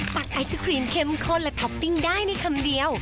ไอศครีมเข้มข้นและท็อปปิ้งได้ในคำเดียว